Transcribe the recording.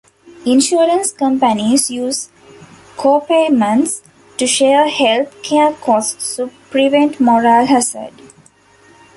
Insurance companies use copayments to share health care costs to prevent moral hazard.